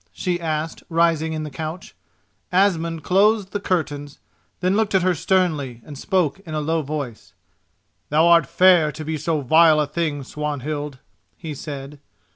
she asked, rising in the couch. Asmund closed the curtains, then looked at her sternly and spoke in a low voice: "Thou art fair to be so vile a thing, Swanhild," he said.